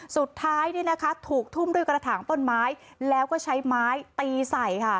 สุดท้ายถูกทุ่มด้วยกระถางต้นไม้แล้วก็ใช้ไม้ตีใส่ค่ะ